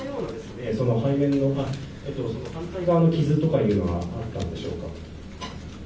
反対側の傷というのはあったんでしょうか。